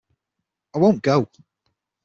I won't go!